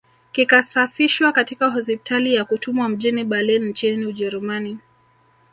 Kikasafishwa katika hospitali na kutumwa mjini Berlin nchini Ujerumani